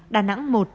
đà nẵng một